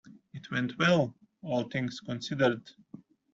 It went well, all things considered.